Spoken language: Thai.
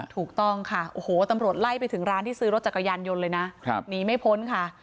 ถูกต้องค่ะโอ้โหตำรวจไล่ไปถึงร้านที่ซื้อรถจักรยานยนต์เลยนะหนีไม่พ้นค่ะ